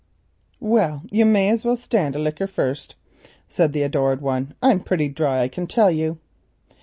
"Well, you may as well stand a drink first," said the adored one. "I'm pretty dry, I can tell you."